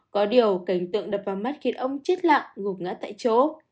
có điều cảnh tượng đập vào mắt khiến ông chết lặng ngụp ngã tại chỗ